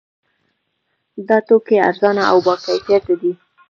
دا توکي ارزانه او باکیفیته دي.